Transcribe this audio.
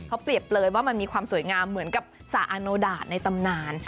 เขาเปรียบเปลยว่ามันมีความสวยงามเหมือนกับสระอาโนดาตในตำนาน